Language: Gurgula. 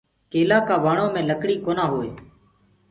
ڪيلآ ڪآ وڻو مي لڪڙي ڪونآ هوئي۔